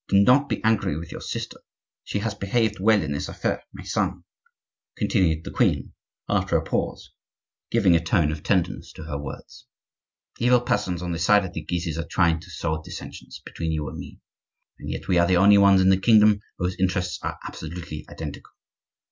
Do not be angry with your sister; she has behaved well in this affair. My son," continued the queen, after a pause, giving a tone of tenderness to her words, "evil persons on the side of the Guises are trying to sow dissensions between you and me; and yet we are the only ones in the kingdom whose interests are absolutely identical.